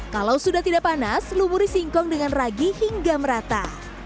kalau sudah tidak panas lumuri singkong dengan ragi hingga merata